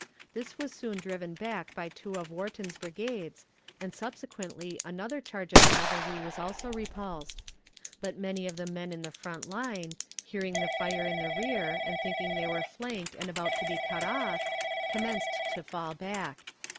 This was soon driven back by two of Wharton's brigades, and subsequently another charge of cavalry was also repulsed. But many of the men in the front line, hearing the fire in the rear, and thinking they were flanked and about to be cut off, commenced to fall back.